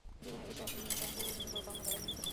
জীবনের এইসব বিভিন্নতা পূর্বকর্মদ্বারাই নিয়মিত হয়।